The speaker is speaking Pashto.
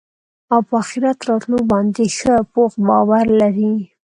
او په آخرت راتلو باندي ښه پوخ باور لري